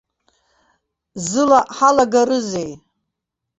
Зыла ҳалагарызеи?